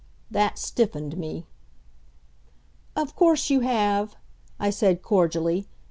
That stiffened me. "Of course, you have," I said cordially.